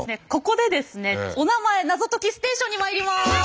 ここでですねおなまえナゾ解きステーションにまいります！